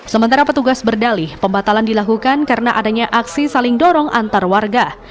sementara petugas berdalih pembatalan dilakukan karena adanya aksi saling dorong antar warga